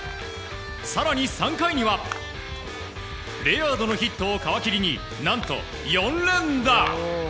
更に３回にはレアードのヒットを皮切りに何と４連打！